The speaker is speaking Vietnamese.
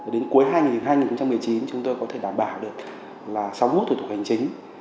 đến cuối hai nghìn hai mươi hai nghìn một mươi chín chúng tôi có thể đảm bảo được là sau mốt thủ tục hành chính